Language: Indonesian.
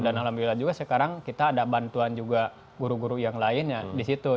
dan alhamdulillah juga sekarang kita ada bantuan juga guru guru yang lainnya di situ